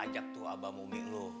ajak tuh abah sama umi lo